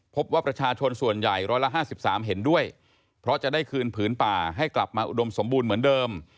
พบว่าประชาชนส่วนใหญ่๑๕๓เห็นด้วยเพราะจะได้คืนผืนป่าให้กลับมาอุดมสมบูรณ์เหมือนเดิม